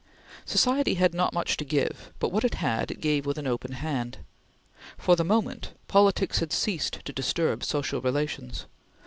Society had not much to give, but what it had, it gave with an open hand. For the moment, politics had ceased to disturb social relations.